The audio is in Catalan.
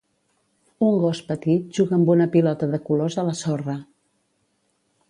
Un gos petit juga amb una pilota de colors a la sorra.